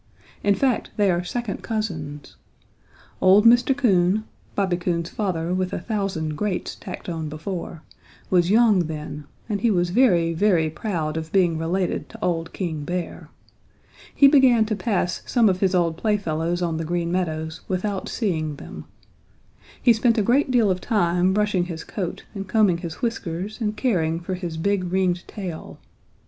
In fact, they are second cousins. Old Mr. Coon, Bobby Coon's father with a thousand greats tacked on before, was young then, and he was very, very proud of being related to old King Bear. He began to pass some of his old playfellows on the Green Meadows without seeing them. He spent a great deal of time brushing his coat and combing his whiskers and caring for his big ringed tail.